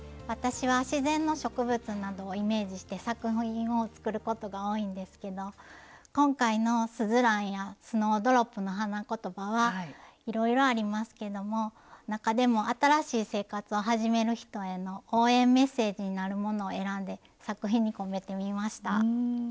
私は自然の植物などをイメージして作品を作ることが多いんですけど今回のスズランやスノードロップの花言葉はいろいろありますけども中でも新しい生活を始める人への「応援メッセージ」になるものを選んで作品に込めてみました。